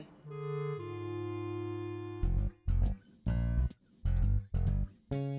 yuk kita ke sini